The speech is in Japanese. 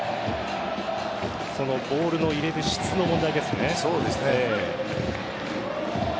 そのボールの入れる質の問題ですね。